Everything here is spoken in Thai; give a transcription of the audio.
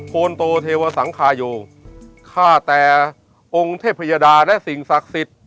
คนโตเทวสังคาโยฆ่าแต่องค์เทพยดาและสิ่งศักดิ์สิทธิ์